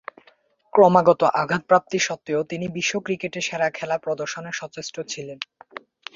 ক্রমাগত আঘাতপ্রাপ্তি সত্ত্বেও তিনি বিশ্ব ক্রিকেটে সেরা খেলা প্রদর্শনে সচেষ্ট ছিলেন।